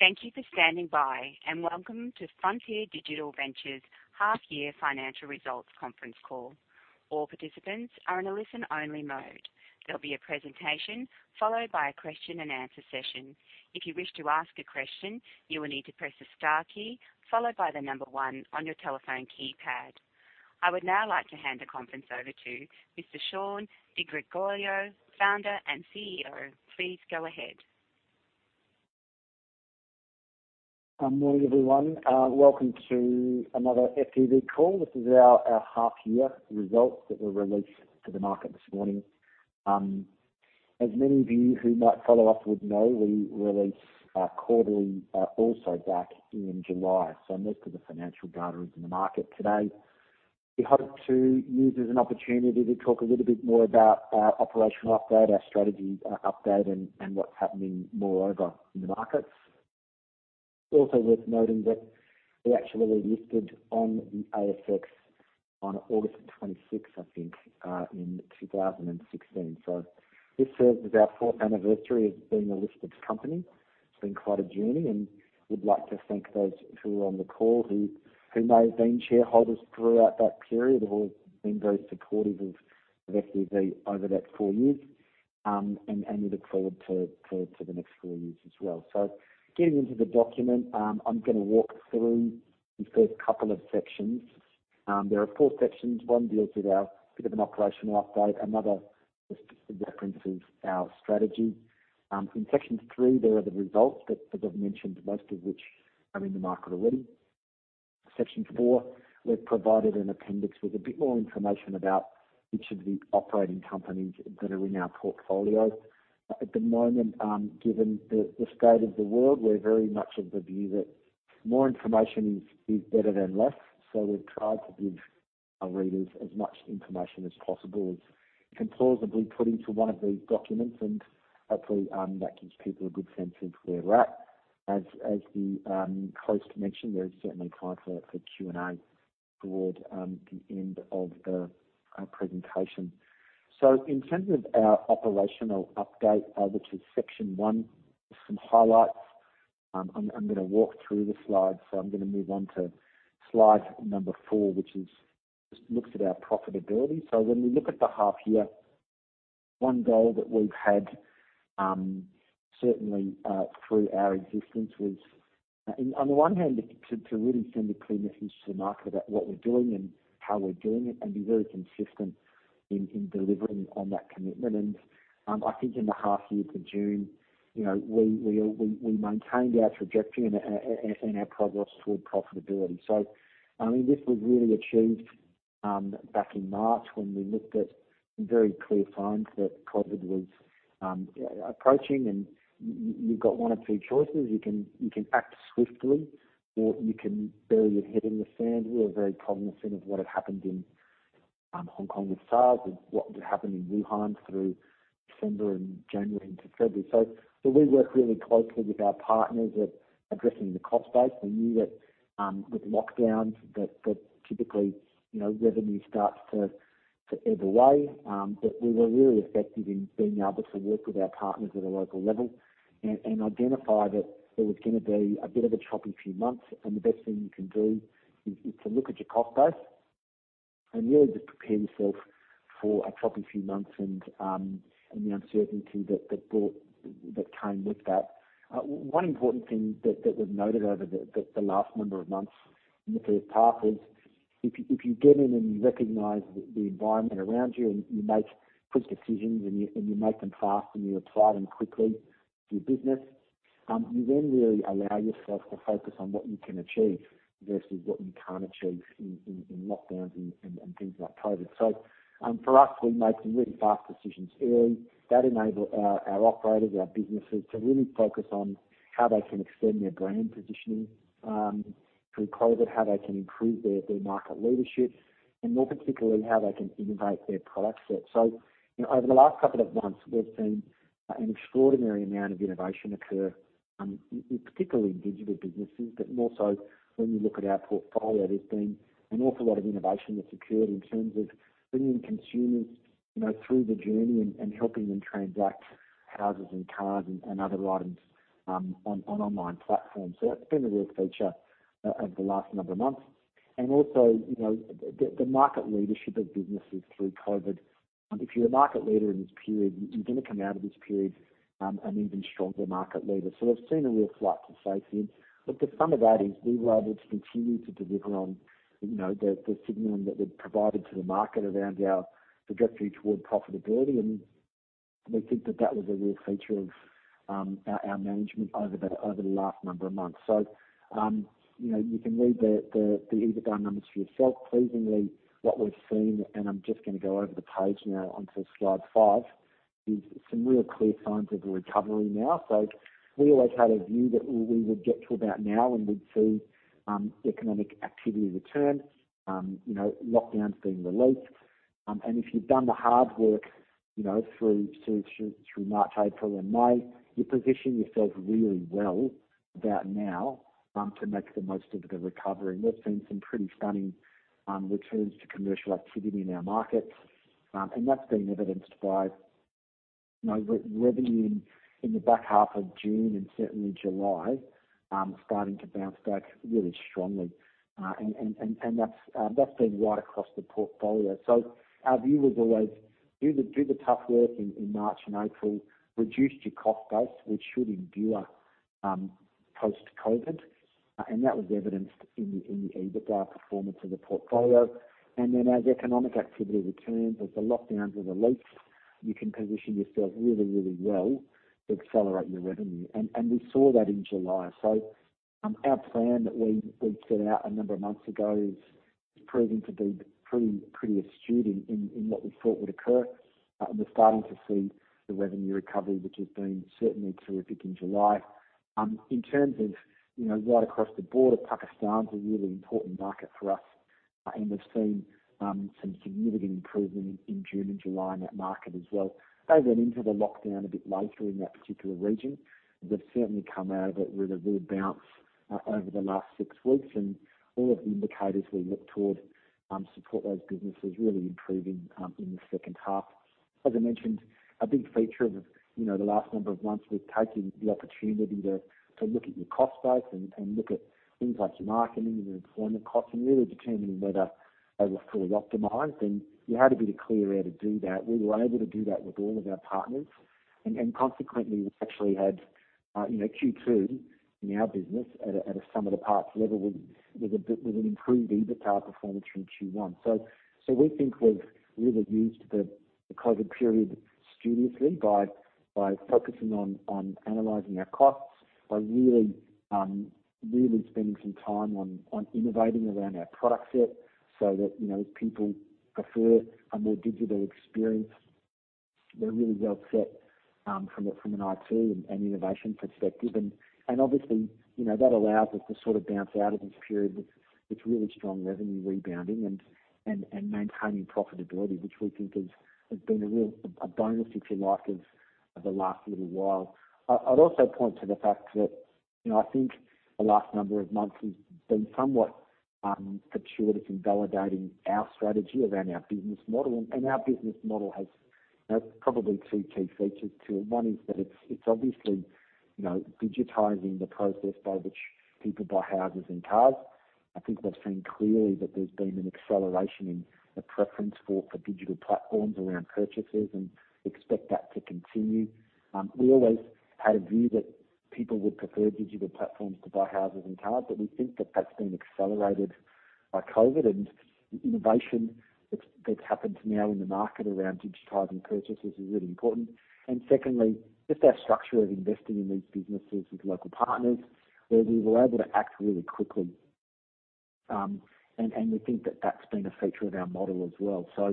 Thank you for standing by, and welcome to Frontier Digital Ventures' half-year financial results conference call. I would now like to hand the conference over to Mr. Shaun Di Gregorio, Founder and CEO. Please go ahead. Morning, everyone. Welcome to another FDV call. This is our half-year results that were released to the market this morning. As many of you who might follow us would know, we release our quarterly also back in July. Most of the financial data is in the market today. We hope to use this as an opportunity to talk a little bit more about our operational update, our strategy update, and what's happening moreover in the markets. Also worth noting that we actually listed on the ASX on August 26th, I think, in 2016. This serves as our fourth anniversary of being a listed company. It's been quite a journey, and we'd like to thank those who are on the call who may have been shareholders throughout that period or been very supportive of FDV over that four years, and we look forward to the next four years as well. Getting into the document, I'm going to walk through the first couple of sections. There are four sections. One deals with a bit of an operational update. Another just references our strategy. In section three, there are the results that I've mentioned, most of which are in the market already. Section four, we've provided an appendix with a bit more information about each of the operating companies that are in our portfolio. At the moment, given the state of the world, we're very much of the view that more information is better than less. We've tried to give our readers as much information as possible as you can plausibly put into one of these documents, and hopefully, that gives people a good sense of where we're at. As the host mentioned, there is certainly time for Q&A toward the end of the presentation. In terms of our operational update, which is section one, some highlights. I'm going to walk through the slides. I'm going to move on to slide number four, which just looks at our profitability. When we look at the half year, one goal that we've had certainly through our existence was, on the one hand, to really send a clear message to the market about what we're doing and how we're doing it and be very consistent in delivering on that commitment. I think in the half year to June, we maintained our trajectory and our progress toward profitability. This was really achieved back in March when we looked at very clear signs that COVID was approaching, and you've got one of two choices. You can act swiftly, or you can bury your head in the sand. We were very cognizant of what had happened in Hong Kong with SARS and what had happened in Wuhan through December and January into February. We worked really closely with our partners at addressing the cost base. We knew that with lockdowns, that typically, revenue starts to ebb away. We were really effective in being able to work with our partners at a local level and identify that there was going to be a bit of a choppy few months, and the best thing you can do is to look at your cost base and really just prepare yourself for a choppy few months and the uncertainty that came with that. One important thing that we've noted over the last number of months in the first half is if you get in and you recognize the environment around you and you make quick decisions and you make them fast and you apply them quickly to your business, you then really allow yourself to focus on what you can achieve versus what you can't achieve in lockdowns and things like COVID. For us, we made some really fast decisions early that enabled our operators, our businesses, to really focus on how they can extend their brand positioning through COVID, how they can improve their market leadership, and more particularly, how they can innovate their product set. Over the last couple of months, we've seen an extraordinary amount of innovation occur, particularly in digital businesses. More so when you look at our portfolio, there's been an awful lot of innovation that's occurred in terms of bringing consumers through the journey and helping them transact houses and cars and other items on online platforms. That's been a real feature of the last number of months. Also, the market leadership of businesses through COVID. If you're a market leader in this period, you're going to come out of this period an even stronger market leader. We've seen a real flight to safety. The sum of that is we were able to continue to deliver on the signal that we'd provided to the market around our trajectory toward profitability, and we think that that was a real feature of our management over the last number of months. You can read the EBITDA numbers for yourself. Pleasingly, what we've seen, and I'm just going to go over the page now onto slide five, is some real clear signs of a recovery now. We always had a view that we would get to about now, and we'd see economic activity return, lockdowns being released. If you've done the hard work through March, April, and May, you position yourself really well about now to make the most of the recovery. We've seen some pretty stunning returns to commercial activity in our markets, and that's been evidenced by revenue in the back half of June and certainly July, starting to bounce back really strongly. That's been right across the portfolio. Our view was always do the tough work in March and April, reduce your cost base, which should endure post-COVID, and that was evidenced in the EBITDA performance of the portfolio. Then as economic activity returns, as the lockdowns are released, you can position yourself really, really well to accelerate your revenue. We saw that in July. Our plan that we'd set out a number of months ago is proving to be pretty astute in what we thought would occur. We're starting to see the revenue recovery, which has been certainly terrific in July. In terms of right across the board, Pakistan's a really important market for us, and we've seen some significant improvement in June and July in that market as well. They went into the lockdown a bit later in that particular region. They've certainly come out of it with a real bounce over the last six weeks, and all of the indicators we look toward support those businesses really improving in the second half. As I mentioned, a big feature of the last number of months was taking the opportunity to look at your cost base and look at things like your marketing and your employment costs, and really determining whether they were fully optimized. You had a bit of clear air to do that. We were able to do that with all of our partners. Consequently, we've actually had Q2 in our business at a sum of the parts level with an improved EBITDA performance from Q1. We think we've really used the COVID period studiously by focusing on analyzing our costs, by really spending some time on innovating around our product set so that, as people prefer a more digital experience, we're really well set from an IT and innovation perspective. Obviously, that allows us to bounce out of this period with really strong revenue rebounding and maintaining profitability, which we think has been a real bonus, if you like, of the last little while. I'd also point to the fact that, I think the last number of months has been somewhat fortuitous in validating our strategy around our business model. Our business model has probably two key features to it. One is that it's obviously digitizing the process by which people buy houses and cars. I think we've seen clearly that there's been an acceleration in the preference for digital platforms around purchases and expect that to continue. We always had a view that people would prefer digital platforms to buy houses and cars, we think that that's been accelerated by COVID and the innovation that's happened now in the market around digitizing purchases is really important. Secondly, just our structure of investing in these businesses with local partners where we were able to act really quickly. We think that that's been a feature of our model as well. For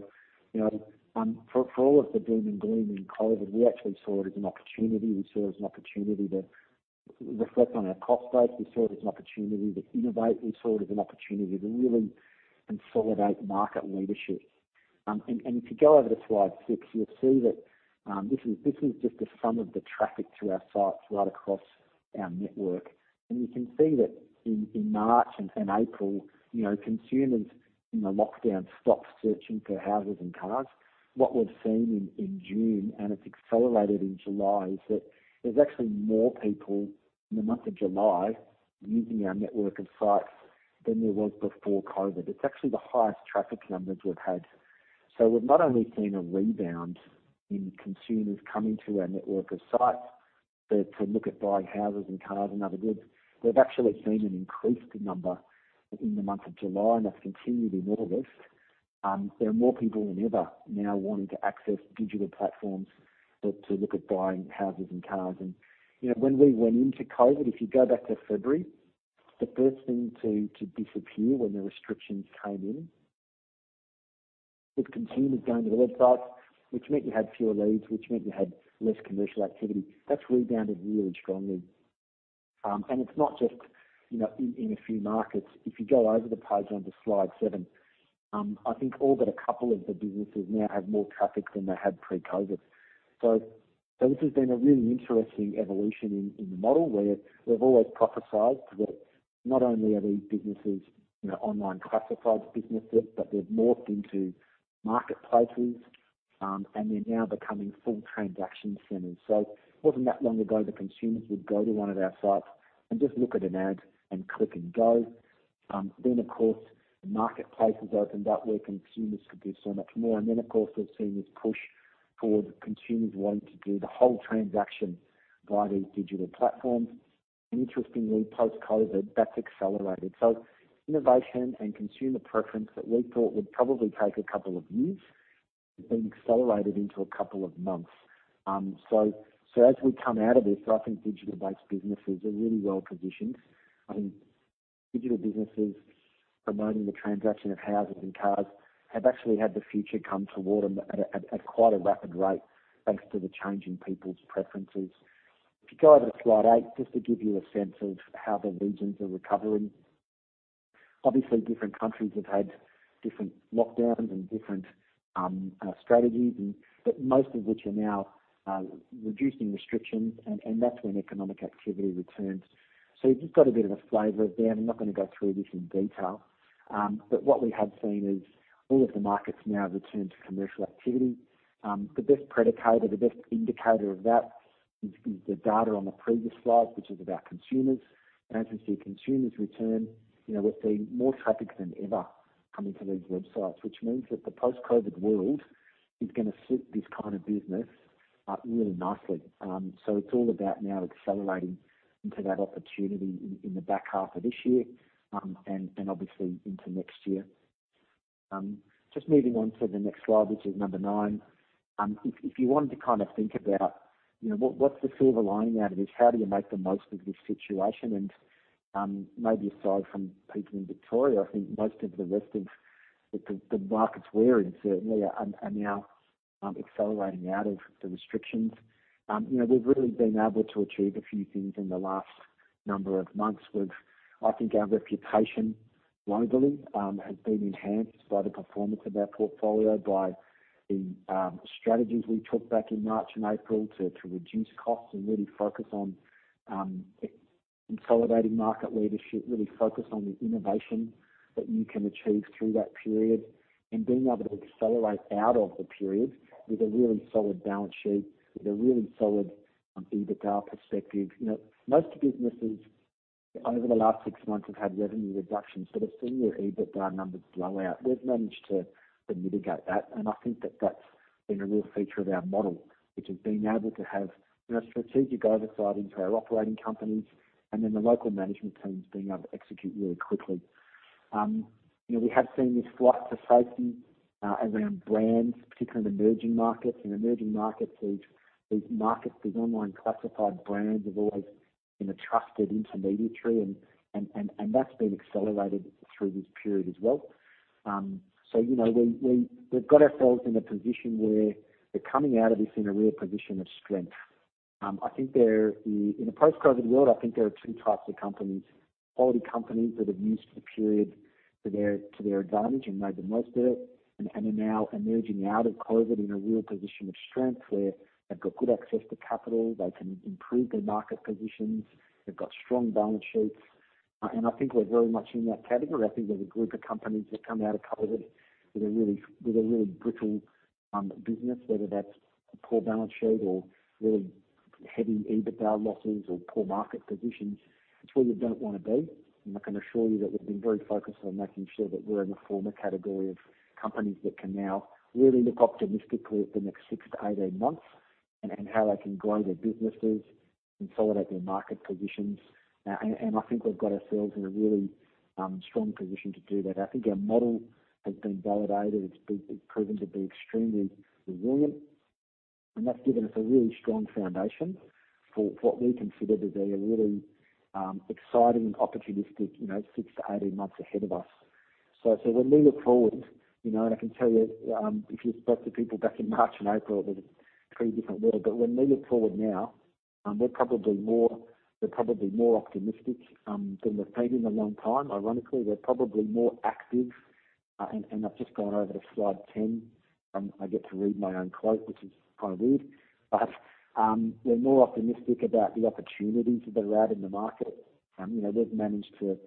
all of the doom and gloom in COVID, we actually saw it as an opportunity. We saw it as an opportunity to reflect on our cost base. We saw it as an opportunity to innovate. We saw it as an opportunity to really consolidate market leadership. If you go over to slide six, you'll see that this is just a sum of the traffic to our sites right across our network. You can see that in March and April, consumers in the lockdown stopped searching for houses and cars. What we've seen in June, and it's accelerated in July, is that there's actually more people in the month of July using our network of sites than there was before COVID. It's actually the highest traffic numbers we've had. We've not only seen a rebound in consumers coming to our network of sites to look at buying houses and cars and other goods. We've actually seen an increased number in the month of July, that's continued in August. There are more people than ever now wanting to access digital platforms to look at buying houses and cars. When we went into COVID, if you go back to February, the first thing to disappear when the restrictions came in was consumers going to the websites, which meant you had fewer leads, which meant you had less commercial activity. That's rebounded really strongly. It's not just in a few markets. If you go over the page onto slide seven, I think all but a couple of the businesses now have more traffic than they had pre-COVID. This has been a really interesting evolution in the model where we've always prophesied that not only are these businesses online classified businesses, but they've morphed into marketplaces, and they're now becoming full transaction centers. It wasn't that long ago that consumers would go to one of our sites and just look at an ad and click and go. Of course, marketplaces opened up where consumers could do so much more. Then, of course, we've seen this push toward consumers wanting to do the whole transaction via these digital platforms. Interestingly, post-COVID, that's accelerated. Innovation and consumer preference that we thought would probably take a couple of years has been accelerated into a couple of months. As we come out of this, I think digital-based businesses are really well positioned. I think digital businesses promoting the transaction of houses and cars have actually had the future come toward them at quite a rapid rate, thanks to the change in people's preferences. If you go over to slide eight, just to give you a sense of how the regions are recovering. Obviously, different countries have had different lockdowns and different strategies, but most of which are now reducing restrictions, and that's when economic activity returns. You've just got a bit of a flavor there. I'm not going to go through this in detail. What we have seen is all of the markets now return to commercial activity. The best predictor, the best indicator of that is the data on the previous slide, which is about consumers. As we see consumers return, we're seeing more traffic than ever coming to these websites, which means that the post-COVID world is going to suit this kind of business really nicely. It's all about now accelerating into that opportunity in the back half of this year, and obviously into next year. Just moving on to the next slide, which is number nine. If you wanted to think about what's the silver lining out of this? How do you make the most of this situation? Maybe aside from people in Victoria, I think most of the rest of the markets we're in certainly are now accelerating out of the restrictions. We've really been able to achieve a few things in the last number of months. I think our reputation globally has been enhanced by the performance of our portfolio, by the strategies we took back in March and April to reduce costs and really focus on consolidating market leadership, really focus on the innovation that you can achieve through that period, and being able to accelerate out of the period with a really solid balance sheet, with a really solid EBITDA perspective. Most businesses over the last six months have had revenue reductions, but have seen their EBITDA numbers blow out. We've managed to mitigate that, and I think that's been a real feature of our model, which is being able to have strategic oversight into our operating companies and then the local management teams being able to execute really quickly. We have seen this flight to safety around brands, particularly in emerging markets. In emerging markets, these online classified brands have always been a trusted intermediary, and that's been accelerated through this period as well. We've got ourselves in a position where we're coming out of this in a real position of strength. In a post-COVID world, I think there are two types of companies, quality companies that have used the period to their advantage and made the most of it, and are now emerging out of COVID in a real position of strength where they've got good access to capital, they can improve their market positions, they've got strong balance sheets. I think we're very much in that category. I think there's a group of companies that come out of COVID with a really brittle business, whether that's a poor balance sheet or really heavy EBITDA losses or poor market positions. It's where you don't want to be. I can assure you that we've been very focused on making sure that we're in the former category of companies that can now really look optimistically at the next six to 18 months and how they can grow their businesses, consolidate their market positions. I think we've got ourselves in a really strong position to do that. I think our model has been validated. It's proven to be extremely resilient, and that's given us a really strong foundation for what we consider to be a really exciting and opportunistic six to 18 months ahead of us. When we look forward, and I can tell you, if you spoke to people back in March and April, it was a pretty different world. When we look forward now, we're probably more optimistic than we've been in a long time. Ironically, we're probably more active. I've just gone over to slide 10. I get to read my own quote, which is kind of weird. We're more optimistic about the opportunities that are out in the market. We've managed to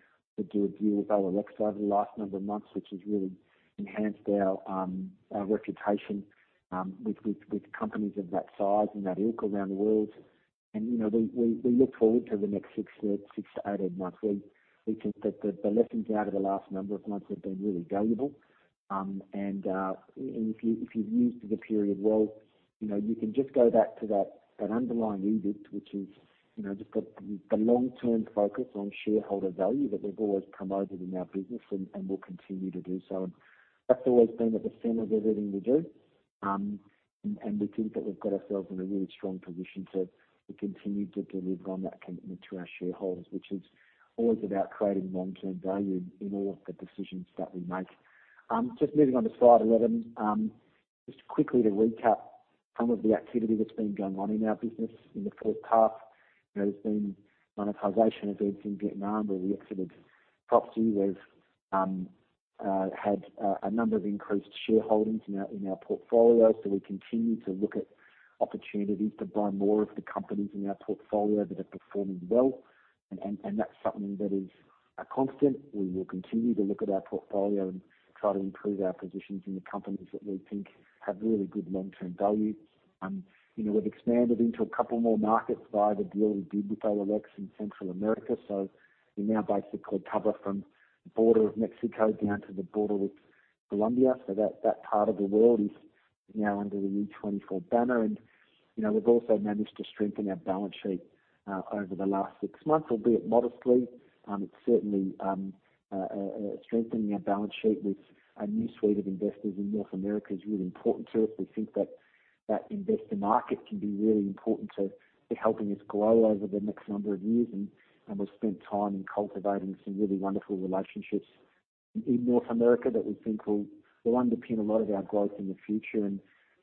do a deal with OLX over the last number of months, which has really enhanced our reputation with companies of that size and that ilk around the world. We look forward to the next six to 18 months. We think that the lessons out of the last number of months have been really valuable. If you've used the period well, you can just go back to that underlying EBIT, which is just got the long-term focus on shareholder value that we've always promoted in our business and we'll continue to do so. That's always been at the center of everything we do. We think that we've got ourselves in a really strong position to continue to deliver on that commitment to our shareholders, which is always about creating long-term value in all of the decisions that we make. Just moving on to slide 11. Just quickly to recap some of the activity that's been going on in our business in the first half. There's been monetization events in Vietnam where we exited Propzy. We've had a number of increased shareholdings in our portfolio. We continue to look at opportunities to buy more of the companies in our portfolio that are performing well. That's something that is a constant. We will continue to look at our portfolio and try to improve our positions in the companies that we think have really good long-term value. We've expanded into a couple more markets via the deal we did with OLX in Central America. We now basically cover from the border of Mexico down to the border with Colombia. That part of the world is now under the RE24 banner. We've also managed to strengthen our balance sheet over the last six months, albeit modestly. It's certainly strengthening our balance sheet with a new suite of investors in North America is really important to us. We think that that investor market can be really important to helping us grow over the next number of years. We've spent time in cultivating some really wonderful relationships in North America that we think will underpin a lot of our growth in the future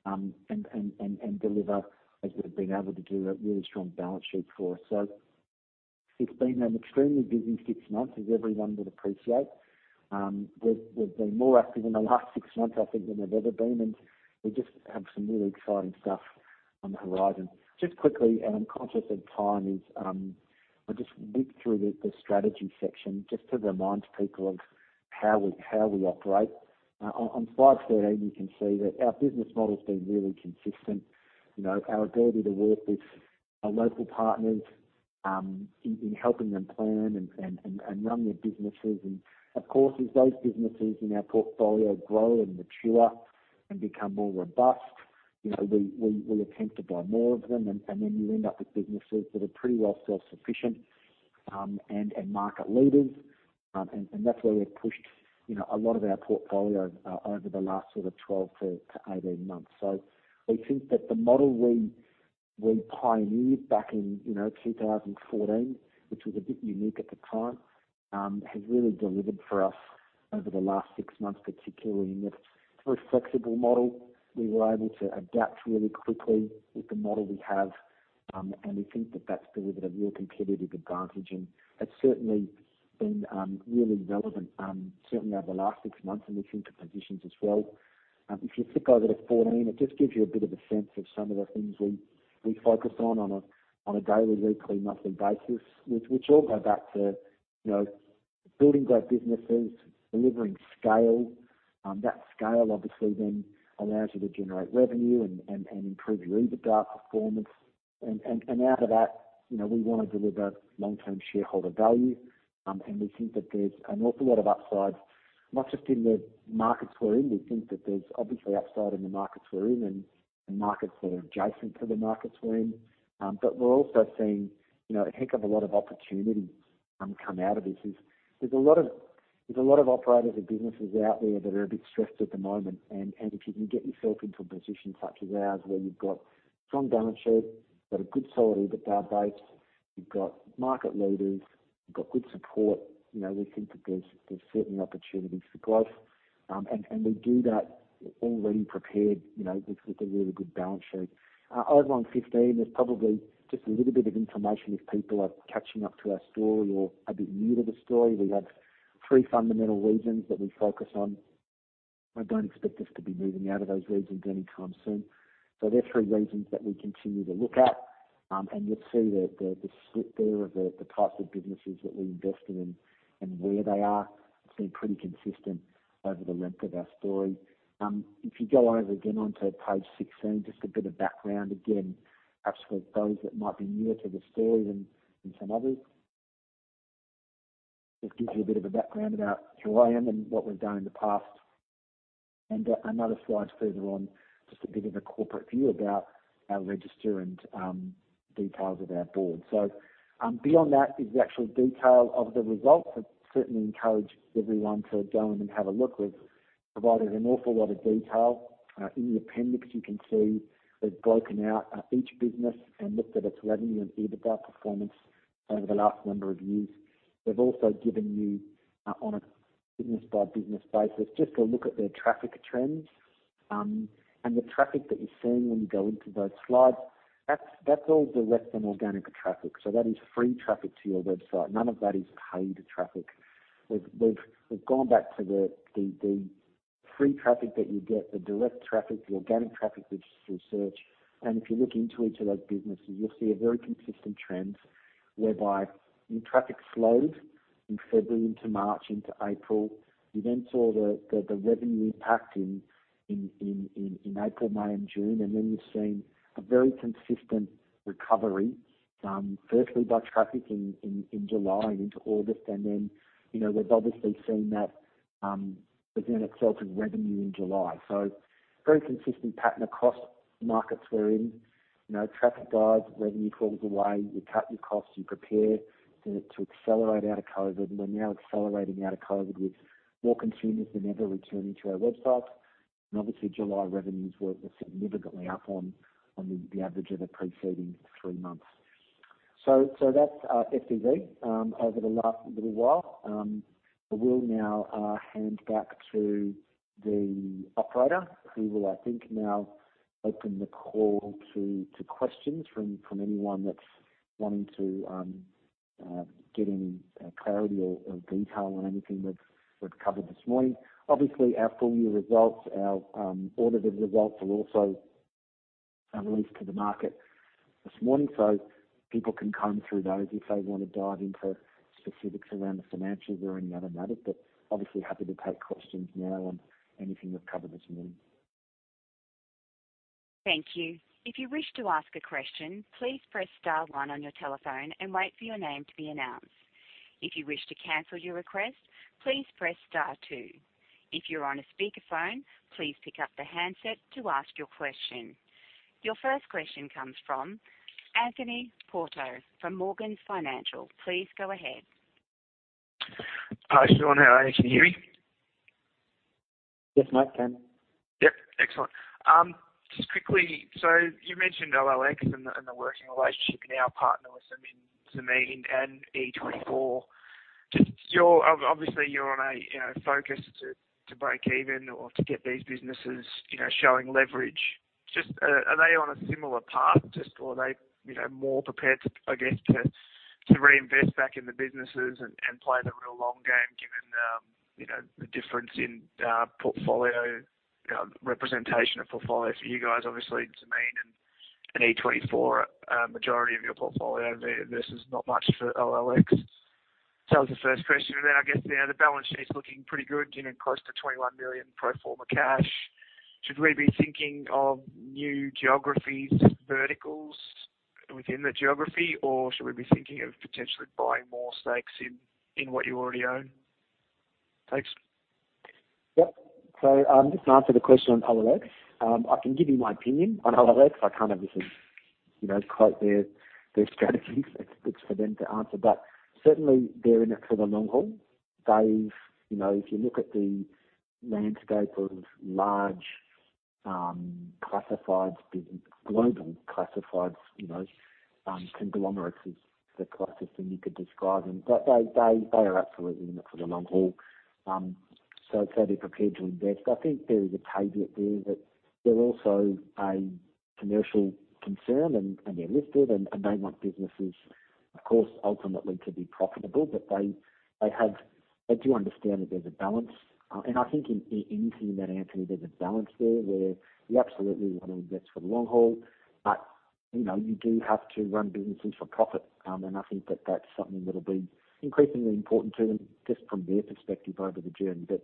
and deliver as we've been able to do a really strong balance sheet for us. It's been an extremely busy six months, as everyone would appreciate. We've been more active in the last six months, I think, than we've ever been, and we just have some really exciting stuff on the horizon. Just quickly, I'm conscious of time, is I'll just whip through the strategy section just to remind people of how we operate. On slide 13, you can see that our business model's been really consistent. Our ability to work with our local partners in helping them plan and run their businesses. Of course, as those businesses in our portfolio grow and mature and become more robust, we attempt to buy more of them, you end up with businesses that are pretty well self-sufficient, and market leaders. That's where we've pushed a lot of our portfolio over the last sort of 12-18 months. We think that the model we pioneered back in 2014, which was a bit unique at the time, has really delivered for us over the last six months, particularly in that it's a very flexible model. We were able to adapt really quickly with the model we have. We think that that's delivered a real competitive advantage, and that's certainly been really relevant, certainly over the last six months in these interpositions as well. If you flip over to 14, it just gives you a bit of a sense of some of the things we focus on a daily, weekly, monthly basis, which all go back to building great businesses, delivering scale. That scale obviously then allows you to generate revenue and improve your EBITDA performance. Out of that, we want to deliver long-term shareholder value. We think that there's an awful lot of upsides, not just in the markets we're in. We think that there's obviously upside in the markets we're in and markets that are adjacent to the markets we're in. We're also seeing a heck of a lot of opportunity come out of this. There's a lot of operators and businesses out there that are a bit stressed at the moment. If you can get yourself into a position such as ours, where you've got strong balance sheet, got a good solid EBITDA base, you've got market leaders, you've got good support, we think that there's certainly opportunities for growth. We do that already prepared, with a really good balance sheet. Over on 15, there's probably just a little bit of information if people are catching up to our story or are a bit new to the story. We have three fundamental regions that we focus on. I don't expect us to be moving out of those regions anytime soon. They're three regions that we continue to look at. You'll see the split there of the types of businesses that we invest in and where they are. It's been pretty consistent over the length of our story. If you go over again onto page 16, just a bit of background again, perhaps for those that might be newer to the story than some others. Just gives you a bit of a background about who I am and what we've done in the past. Another slide further on, just a bit of a corporate view about our register and details of our board. Beyond that is the actual detail of the results. I'd certainly encourage everyone to go in and have a look. We've provided an awful lot of detail. In the appendix, you can see we've broken out each business and looked at its revenue and EBITDA performance over the last number of years. We've also given you, on a business-by-business basis, just a look at their traffic trends. The traffic that you're seeing when you go into those slides, that's all direct and organic traffic. That is free traffic to your website. None of that is paid traffic. We've gone back to the free traffic that you get, the direct traffic, the organic traffic, which is through search. If you look into each of those businesses, you'll see a very consistent trend whereby your traffic slowed in February into March, into April. You then saw the revenue impact in April, May and June. You've seen a very consistent recovery, firstly by traffic in July and into August. We've obviously seen that present itself in revenue in July. Very consistent pattern across markets we're in. Traffic dives, revenue falls away, you cut your costs, you prepare to accelerate out of COVID. We're now accelerating out of COVID with more consumers than ever returning to our websites. Obviously July revenues were significantly up on the average of the preceding three months. That's FDV over the last little while. I will now hand back to the operator, who will, I think now open the call to questions from anyone that's wanting to get any clarity or detail on anything we've covered this morning. Obviously, our full year results, our audited results were also released to the market this morning. People can comb through those if they want to dive into specifics around the financials or any other matters. Obviously happy to take questions now on anything we've covered this morning. Thank you. If you wish to ask a question, please press star one on your telephone and wait for your name to be announced. If you wish to cancel your request, please press star two. If you're on a speakerphone, please pick up the handset to ask your question. Your first question comes from Anthony Porto from Morgan Financial. Please go ahead. Hi, Shaun. How are you? Can you hear me? Yes, mate, can. Yep, excellent. Just quickly, so you mentioned OLX and the working relationship and now partner with Zameen and Encuentra24. Obviously, you're on a focus to break even or to get these businesses showing leverage. Are they on a similar path or are they more prepared, I guess, to reinvest back in the businesses and play the real long game, given the difference in representation of portfolio for you guys? Obviously, Zameen and Encuentra24 are a majority of your portfolio versus not much for OLX. That was the first question. I guess, the balance sheet's looking pretty good, close to 21 million pro forma cash. Should we be thinking of new geographies, verticals within the geography? Or should we be thinking of potentially buying more stakes in what you already own? Thanks. Yep. Just to answer the question on OLX, I can give you my opinion on OLX. I can't obviously quote their strategies it's for them to answer. Certainly, they're in it for the long haul. If you look at the landscape of large classifieds, global classifieds, conglomerates is the closest thing you could describe them, but they are absolutely in it for the long haul. They're prepared to invest. I think there is a caveat there that they're also a commercial concern, and they're listed, and they want businesses, of course, ultimately to be profitable. They do understand that there's a balance. I think in anything in that, Anthony, there's a balance there where you absolutely want to invest for the long haul, but you do have to run businesses for profit. I think that that'll be increasingly important to them just from their perspective over the journey. They've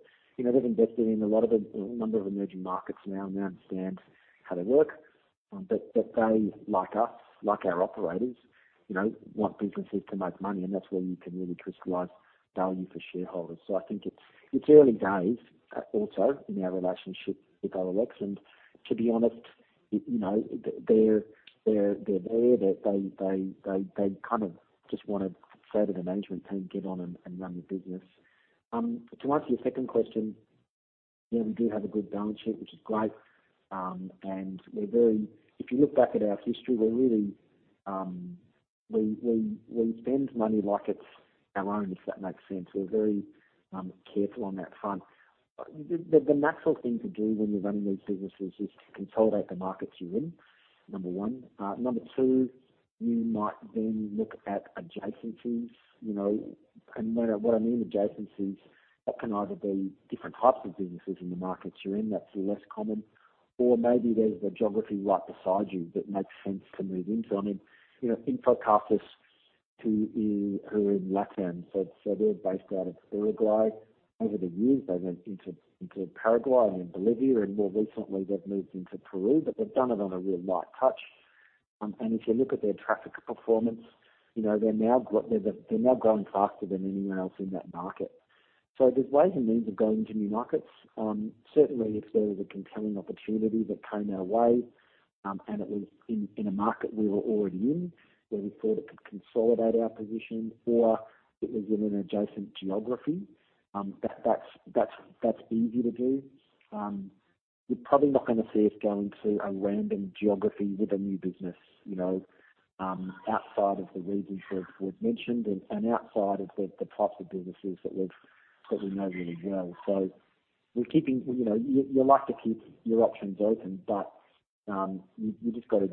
invested in a number of emerging markets now and they understand how they work. They, like us, like our operators, want businesses to make money, and that's where you can really crystallize value for shareholders. I think it's early days also in our relationship with OLX, and to be honest, they're there. They kind of just want to further the management team get on and run the business. To answer your second question, yeah, we do have a good balance sheet, which is great. If you look back at our history, we spend money like it's our own, if that makes sense. We're very careful on that front. The natural thing to do when you're running these businesses is to consolidate the markets you're in, number one. Number two, you might then look at adjacencies. What I mean adjacencies, that can either be different types of businesses in the markets you're in that's less common, or maybe there's the geography right beside you that makes sense to move into. I mean, InfoCasas, who are in LatAm, so they're based out of Uruguay. Over the years, they went into Paraguay and then Bolivia, and more recently they've moved into Peru, but they've done it on a real light touch. If you look at their traffic performance, they're now growing faster than anyone else in that market. There's ways and means of going to new markets. Certainly, if there is a compelling opportunity that came our way, and it was in a market we were already in where we thought it could consolidate our position or it was in an adjacent geography, that's easy to do. You're probably not going to see us go into a random geography with a new business outside of the regions we've mentioned and outside of the types of businesses that we know really well. You like to keep your options open, but you've got to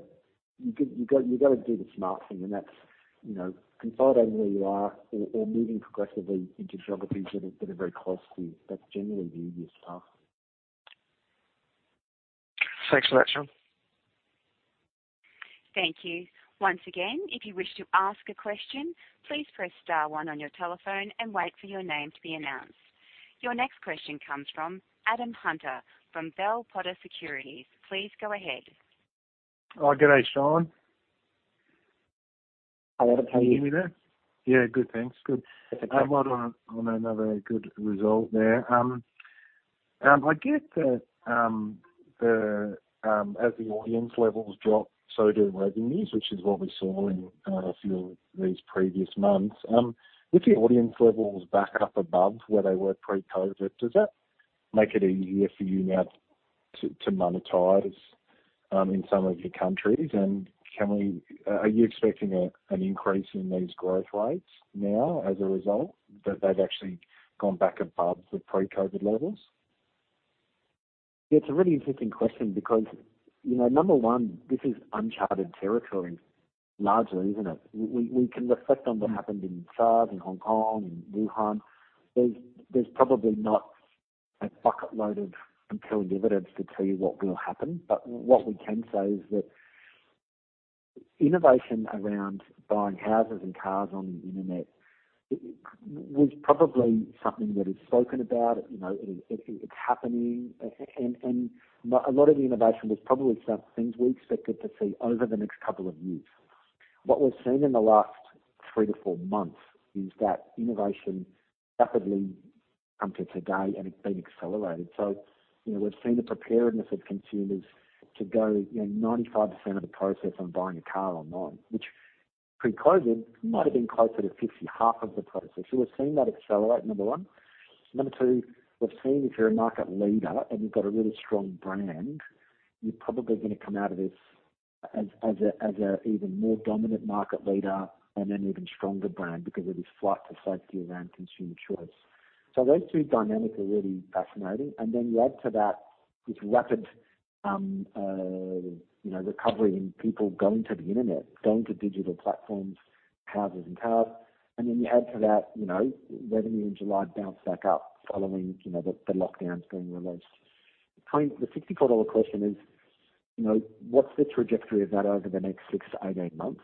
do the smart thing, and that's consolidating where you are or moving progressively into geographies that are very close to you. That's generally the easiest path. Thanks for that, Shaun. Thank you. Once again, if you wish to ask a question, please press star one on your telephone and wait for your name to be announced. Your next question comes from Adam Hunter from Bell Potter Securities. Please go ahead. Oh, good day, Shaun. Hello to you. Can you hear me there? Yeah, good, thanks. Good. That's okay. Well, on another good result there. I get that as the audience levels drop, so do revenues, which is what we saw in a few of these previous months. With the audience levels back up above where they were pre-COVID, does that make it easier for you now to monetize in some of your countries? Are you expecting an increase in these growth rates now as a result that they've actually gone back above the pre-COVID levels? Yeah, it's a really interesting question because, number one, this is uncharted territory largely, isn't it? We can reflect on what happened in SARS, in Hong Kong, in Wuhan. There's probably not a bucketload of untold dividends to tell you what will happen. What we can say is that innovation around buying houses and cars on the internet was probably something that is spoken about. It's happening. A lot of the innovation was probably stuff, things we expected to see over the next couple of years. What we've seen in the last three to four months is that innovation rapidly come to today, and it's been accelerated. We've seen the preparedness of consumers to go 95% of the process on buying a car online, which, Pre-COVID, might have been closer to 50, half of the process. We're seeing that accelerate, number one. Number two, we've seen if you're a market leader and you've got a really strong brand, you're probably going to come out of this as an even more dominant market leader and an even stronger brand because of this flight to safety around consumer choice. Those two dynamics are really fascinating. You add to that this rapid recovery in people going to the internet, going to digital platforms, houses and cars. You add to that, revenue in July bounced back up following the lockdowns being released. The sixty dollar question is, what's the trajectory of that over the next six to eight months?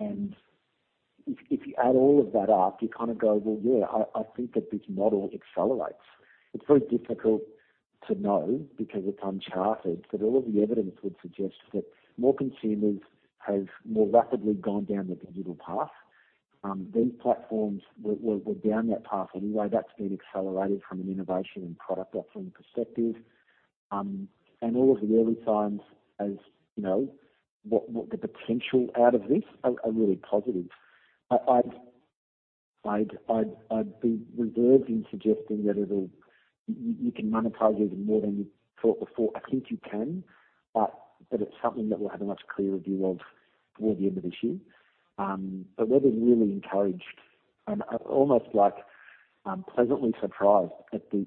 If you add all of that up, you go, "Well, yeah, I think that this model accelerates." It's very difficult to know because it's uncharted, but all of the evidence would suggest that more consumers have more rapidly gone down the digital path. These platforms were down that path anyway. That's been accelerated from an innovation and product offering perspective. All of the early signs as the potential out of this are really positive. I'd be reserved in suggesting that you can monetize even more than you thought before. I think you can, but it's something that we'll have a much clearer view of toward the end of this year. We're really encouraged and almost pleasantly surprised at the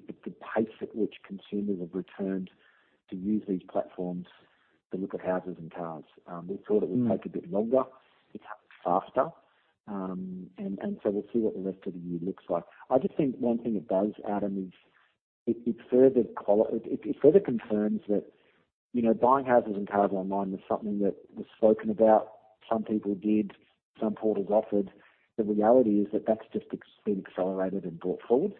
pace at which consumers have returned to use these platforms to look at houses and cars. We thought it would take a bit longer. It's happened faster. We'll see what the rest of the year looks like. I just think one thing it does, Adam, is it further confirms that buying houses and cars online was something that was spoken about. Some people did, some portals offered. The reality is that that's just been accelerated and brought forward.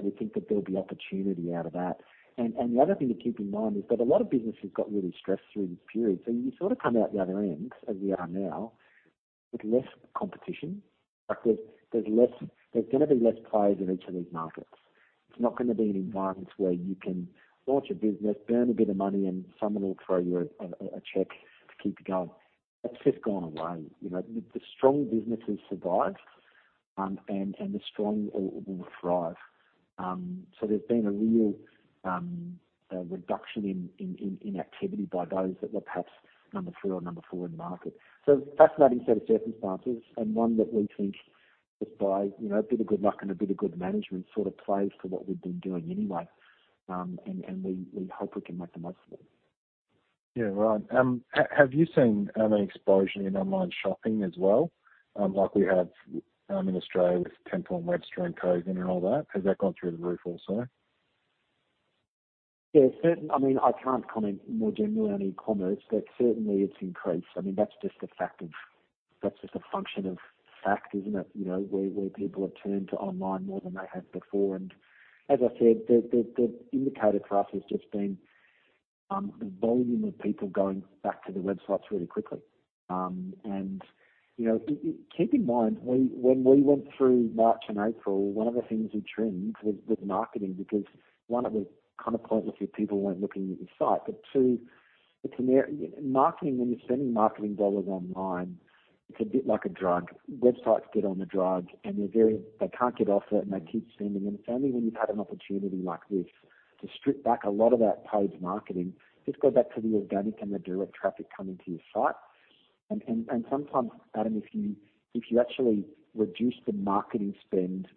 We think that there'll be opportunity out of that. The other thing to keep in mind is that a lot of businesses got really stressed through this period. You sort of come out the other end, as we are now, with less competition. There's going to be less players in each of these markets. It's not going to be an environment where you can launch a business, burn a bit of money, and someone will throw you a check to keep you going. That's just gone away. The strong businesses survive, and the strong will thrive. There's been a real reduction in activity by those that were perhaps number three or number four in market. Fascinating set of circumstances, and one that we think just by a bit of good luck and a bit of good management sort of plays to what we've been doing anyway. We hope we can make the most of it. Yeah, right. Have you seen an explosion in online shopping as well, like we have in Australia with Temple & Webster and Kogan.com and all that? Has that gone through the roof also? Yeah. I can't comment more generally on e-commerce, but certainly it's increased. That's just a function of fact, isn't it? Where people have turned to online more than they have before. As I said, the indicator for us has just been the volume of people going back to the websites really quickly. Keep in mind, when we went through March and April, one of the things we trimmed was marketing, because, one, it was kind of pointless if people weren't looking at your site. Two, marketing, when you're spending marketing dollars online, it's a bit like a drug. Websites get on the drug, and they can't get off it, and they keep spending. It's only when you've had an opportunity like this to strip back a lot of that paid marketing. Just go back to the organic and the direct traffic coming to your site. Sometimes, Adam, if you actually reduce the marketing spend,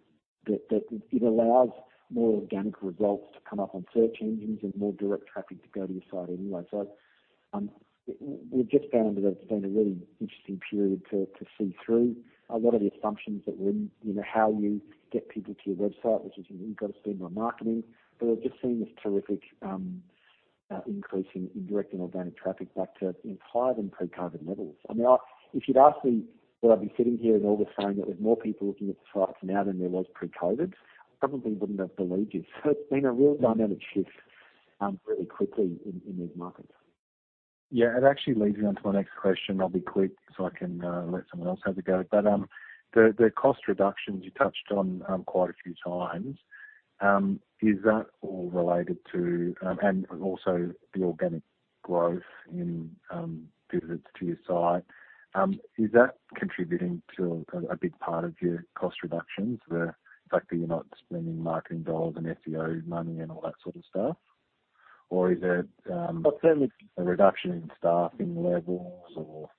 it allows more organic results to come up on search engines and more direct traffic to go to your site anyway. We've just found that it's been a really interesting period to see through a lot of the assumptions that how you get people to your website, which is you've got to spend on marketing. We've just seen this terrific increase in direct and organic traffic back to higher than pre-COVID levels. If you'd asked me would I be sitting here in August saying that there's more people looking at the sites now than there was pre-COVID, I probably wouldn't have believed you. It's been a real dynamic shift really quickly in these markets. Yeah. It actually leads me on to my next question. I'll be quick so I can let someone else have a go. The cost reductions you touched on quite a few times, and also the organic growth in visits to your site, is that contributing to a big part of your cost reductions? The fact that you're not spending marketing dollars and SEO money and all that sort of stuff?- Well. -a reduction in staffing levels or?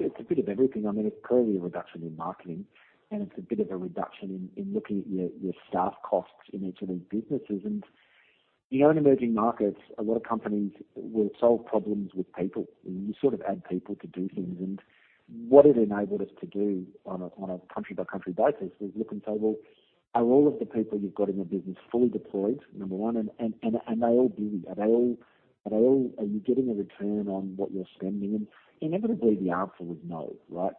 It's a bit of everything. It's clearly a reduction in marketing, and it's a bit of a reduction in looking at your staff costs in each of these businesses. You know, in emerging markets, a lot of companies will solve problems with people. You sort of add people to do things. What it enabled us to do on a country-by-country basis was look and say, "Well, are all of the people you've got in the business fully deployed, number one? And are you getting a return on what you're spending?" Inevitably, the answer was no, right?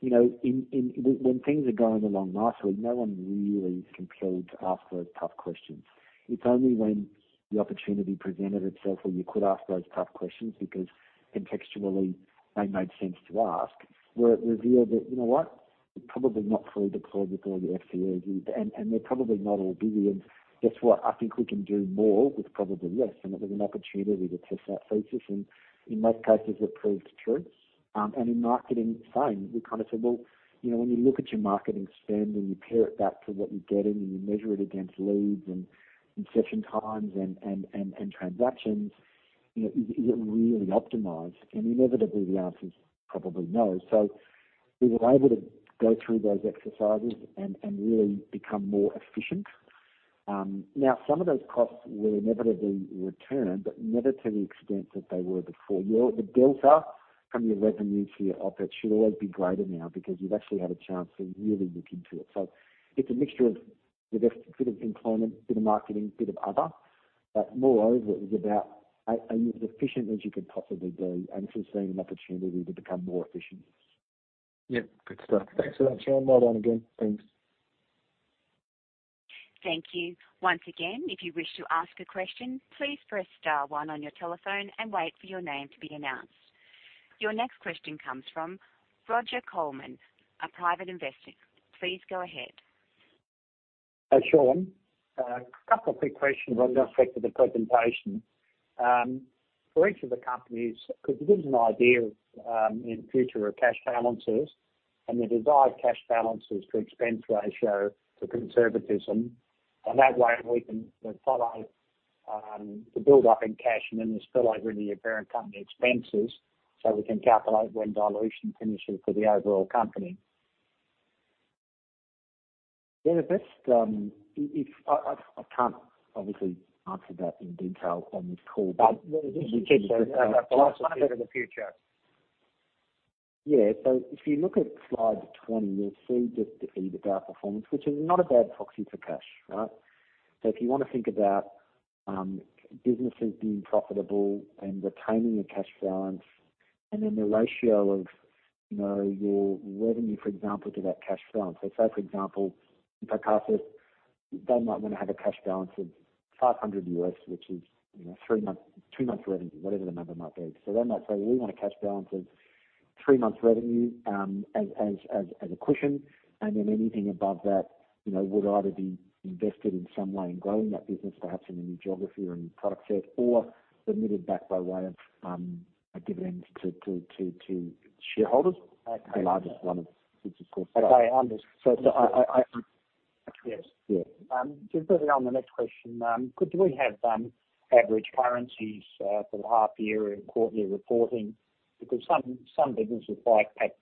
When things are going along nicely, no one really is compelled to ask those tough questions. It's only when the opportunity presented itself where you could ask those tough questions because contextually they made sense to ask, where it revealed that, you know what. They're probably not fully deployed with all the SEO, and they're probably not all busy. Guess what? I think we can do more with probably less. It was an opportunity to test that thesis, and in most cases it proved true. In marketing, same. We kind of said, "Well, when you look at your marketing spend and you pair it back to what you're getting, and you measure it against leads and session times and transactions, is it really optimized?" Inevitably, the answer is probably no. We were able to go through those exercises and really become more efficient. Now, some of those costs will inevitably return, but never to the extent that they were before. The delta from your revenues to your OpEx should always be greater now because you've actually had a chance to really look into it. It's a mixture of a bit of employment, bit of marketing, bit of other. Moreover, it was about are you as efficient as you could possibly be and foresee an opportunity to become more efficient? Yeah. Good stuff. Thanks for that, Shaun. Well done again. Thanks. Thank you. Once again, if you wish to ask a question, please press star one on your telephone and wait for your name to be announced. Your next question comes from Roger Coleman, a private investor. Please go ahead. Hi, Shaun. A couple of quick questions with respect to the presentation. For each of the companies, could you give us an idea of, in future, cash balances and the desired cash balances to expense ratio for conservatism? That way, we can follow the buildup in cash and then the spill over into your parent company expenses, so we can calculate when dilution finishes for the overall company. I can't obviously answer that in detail on this call. Just in terms of the future. If you look at slide 20, you'll see just the EBITDA performance, which is not a bad proxy for cash, right? If you want to think about businesses being profitable and retaining the cash balance, the ratio of your revenue, for example, to that cash balance. Say for example, in Pakistan, they might want to have a cash balance of $500, which is two months revenue, whatever the number might be. They might say, "We want a cash balance of three months revenue as a cushion, anything above that would either be invested in some way in growing that business, perhaps in a new geography or a new product set, or remitted back by way of dividends to shareholders. Okay. The largest one, of course. Okay. Understood. So I- Yes. Yeah. Just moving on, the next question, could we have average currencies for the half year in quarterly reporting? Because some businesses like PAK,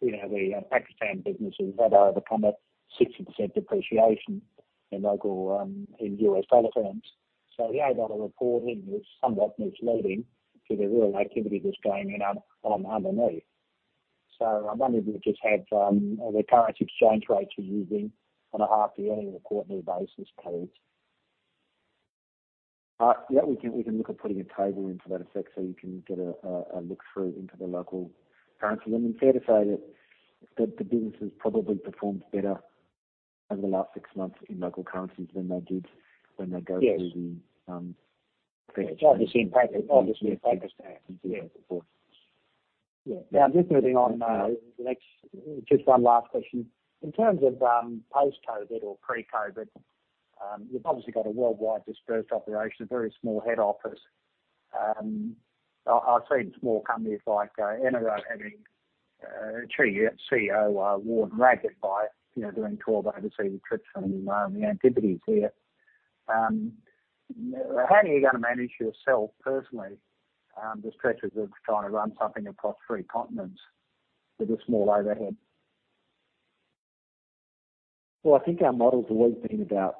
the Pakistan businesses, have overcome a 60% depreciation in U.S. dollar terms. The AUD reporting is somewhat misleading to the real activity that's going on underneath. I wonder if we could just have the current exchange rates you're using on a half yearly and quarterly basis, please. Yeah, we can look at putting a table in for that effect so you can get a look through into the local currency. It's fair to say that the businesses probably performed better over the last six months in local currencies than they did when they go through. Yes. I'm just moving on. Just one last question. In terms of post-COVID or pre-COVID, you've obviously got a worldwide dispersed operation, a very small head office. I've seen small companies like Enero having a CEO worn ragged by doing 12 overseas trips from the Antipodes there. How are you gonna manage yourself personally, the pressures of trying to run something across three continents with a small overhead? I think our model's always been about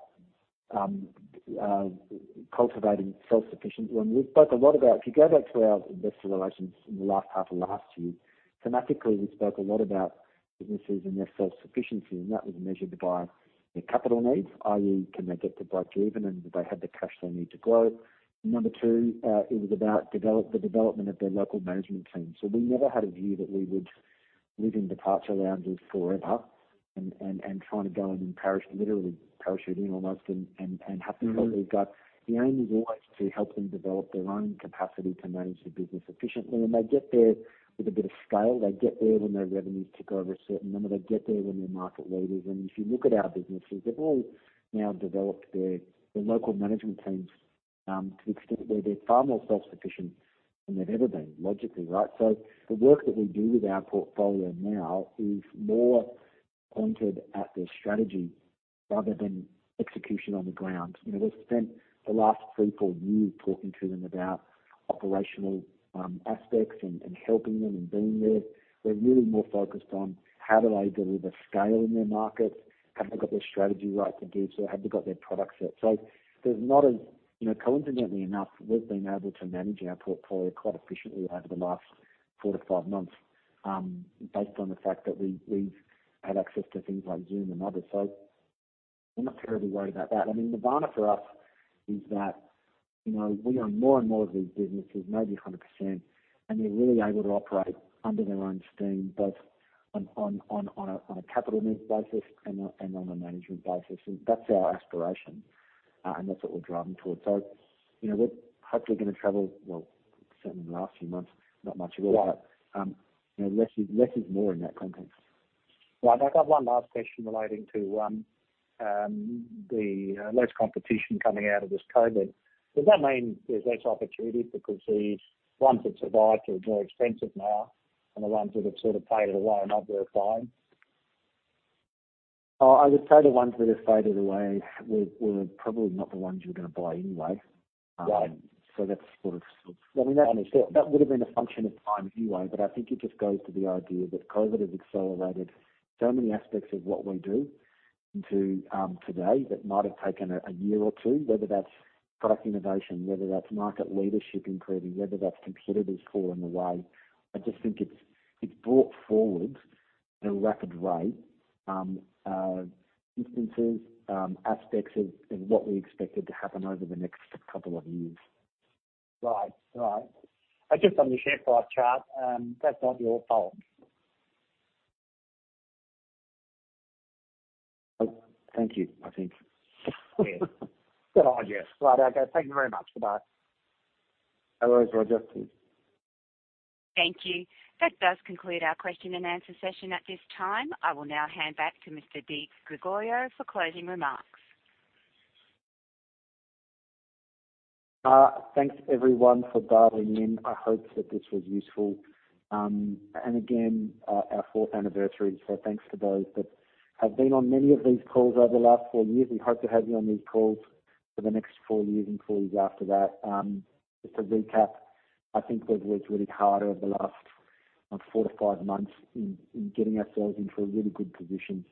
cultivating self-sufficiency. We've spoke a lot about, if you go back to our investor relations in the last half of last year, thematically, we spoke a lot about businesses and their self-sufficiency, and that was measured by their capital needs, i.e., can they get to breakeven and do they have the cash they need to grow? Number two, it was about the development of their local management team. We never had a view that we would live in departure lounges forever and trying to go in and literally parachute in almost and hope for what we've got. The aim is always to help them develop their own capacity to manage the business efficiently. When they get there with a bit of scale, they get there when their revenues tick over a certain number, they get there when they're market leaders. If you look at our businesses, they've all now developed their local management teams, to the extent where they're far more self-sufficient than they've ever been, logically, right? The work that we do with our portfolio now is more pointed at their strategy rather than execution on the ground. We've spent the last three, four years talking to them about operational aspects and helping them and being there. We're really more focused on how do they deliver scale in their markets? Have they got their strategy right to do so? Have they got their product set? Coincidentally enough, we've been able to manage our portfolio quite efficiently over the last four to five months based on the fact that we've had access to things like Zoom and others. We're not terribly worried about that. I mean, nirvana for us is that, we own more and more of these businesses, maybe 100%, and they're really able to operate under their own steam, both on a capital needs basis and on a management basis. That's our aspiration, and that's what we're driving towards. We're hopefully gonna travel, well, certainly in the last few months, not much at all. Right. Less is more in that context. Right. I've got one last question relating to the less competition coming out of this COVID. Does that mean there's less opportunity because the ones that survived are more expensive now than the ones that have sort of faded away and others are buying? I would say the ones that have faded away were probably not the ones you were going to buy anyway. Right. That's sort of That would've been a function of time anyway, but I think it just goes to the idea that COVID has accelerated so many aspects of what we do into today that might have taken a year or two, whether that's product innovation, whether that's market leadership improving, whether that's competitors falling away. I just think it's brought forward at a rapid rate instances, aspects of what we expected to happen over the next couple of years. Right. Just on the share price chart, that's not your fault. Thank you. I think. Yeah. Good idea. Right. Okay. Thank you very much. Goodbye. No worries, Roger. Cheers. Thank you. That does conclude our question and answer session at this time. I will now hand back to Mr. Di Gregorio for closing remarks. Thanks, everyone, for dialing in. I hope that this was useful. Again, our fourth anniversary, thanks to those that have been on many of these calls over the last four years. We hope to have you on these calls for the next four years and four years after that. Just to recap, I think we've worked really hard over the last four to five months in getting ourselves into a really good position,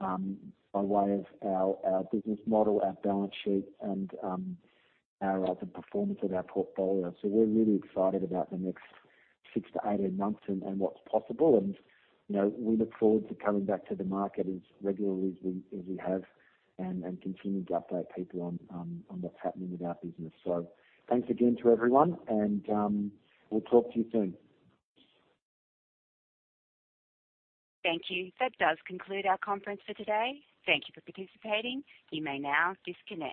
by way of our business model, our balance sheet, and the performance of our portfolio. We're really excited about the next six to 18 months and what's possible. We look forward to coming back to the market as regularly as we have, and continuing to update people on what's happening with our business. Thanks again to everyone, and we'll talk to you soon. Thank you. That does conclude our conference for today. Thank you for participating. You may now disconnect.